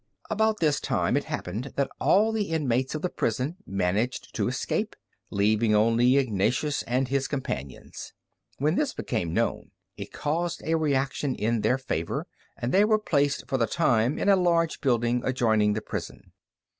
About this time it happened that all the inmates of the prison managed to escape, leaving only Ignatius and his companions. When this became known it caused a reaction in their favor, and they were placed for the time in a large building adjoining the prison.